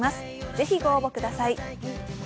是非、ご応募ください。